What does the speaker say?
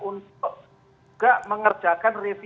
juga mengerjakan revisi